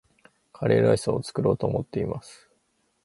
カレーライスを作ろうと思っています